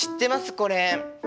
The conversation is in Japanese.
これ。